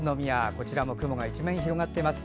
こちらも雲が一面広がっています。